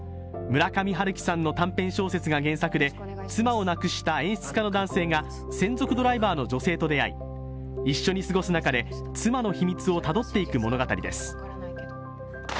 村上春樹さんの短編小説が原作で妻を亡くした演出家の男性が専属ドライバーの女性と出会い、一緒に過ごす中で妻の秘密をたどっていく物語です。